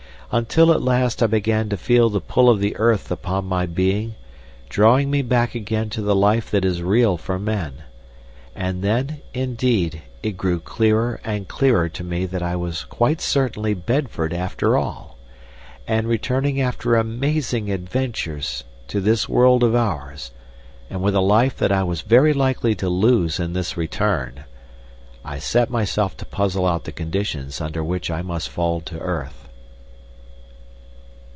Until at last I began to feel the pull of the earth upon my being, drawing me back again to the life that is real for men. And then, indeed, it grew clearer and clearer to me that I was quite certainly Bedford after all, and returning after amazing adventures to this world of ours, and with a life that I was very likely to lose in this return. I set myself to puzzle out the conditions under which I must fall to earth.